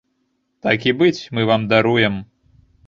Так і быць, мы вам даруем.